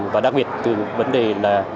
và đặc biệt từ vấn đề là